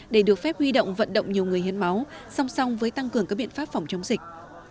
để được phép huy động vận động nhiều người hiến máu song song với tăng cường các biện pháp phòng chống dịch